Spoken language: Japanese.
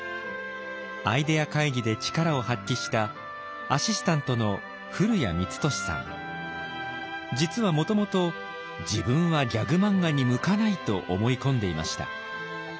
アイデア会議で力を発揮したアシスタントの実はもともと自分はギャグ漫画に向かないと思い込んでいました。